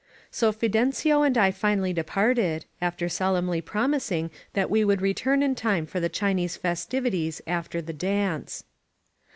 So Fidencio and I finally departed, after solemnly promising that we would return in time for the Chinese festivities after the dance.